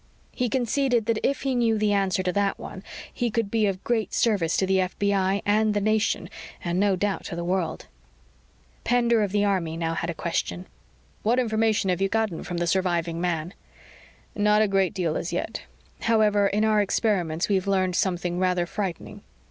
He conceded that if he knew the answer to that one, he could be of great service to the FBI and the nation and, no doubt to the world ... Pender of the Army now had a question. "What information have you gotten from the surviving man?" "Not a great deal, as yet. However, in our experiments we've learned something rather frightening."